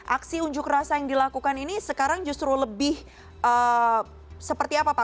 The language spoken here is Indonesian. aksi unjuk rasa yang dilakukan ini sekarang justru lebih seperti apa pak